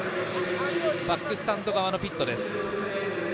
バックスタンド側のピットです。